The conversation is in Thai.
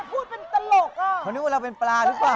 พูดเป็นตลกอ่ะเขานึกว่าเราเป็นปลาหรือเปล่า